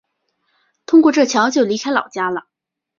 通过这桥就离开老家了